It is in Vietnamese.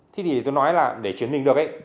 thì tôi nói là để chuyển mình được ấy